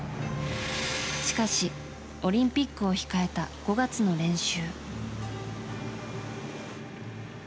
しかし、オリンピックを控えた５月の練習。